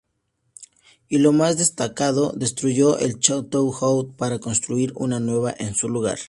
Y lo más destacado, destruyó el Château-Haut para construir uno nuevo en su lugar.